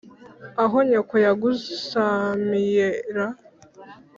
aho nyoko yagusamiye ra?